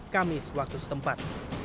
kamis waktu setempat